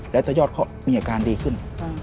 และตะยอดเขามีอาการดีขึ้น